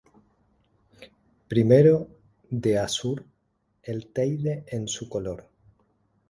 Primero, de azur, el Teide en su color.